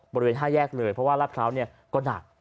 บริเวณห้าแยกเลยเพราะว่าราบเท้าเนี่ยก็หนัก